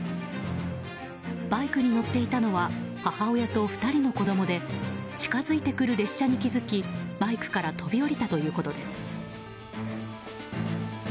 バイクに乗っていたのは母親と２人の子供で近づいてくる列車に気づきバイクから飛び降りたということです。